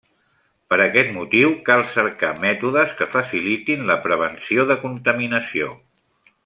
Per aquest motiu, cal cercar mètodes que facilitin la prevenció de contaminació.